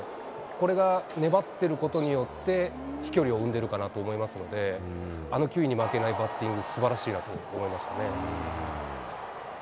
これが粘ってることによって、飛距離を生んでるかなと思いますので、あの球威に負けないバッティング、すばらしいなと思いましたね。